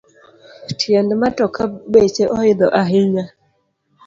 Tiend matoka beche oidho ahinya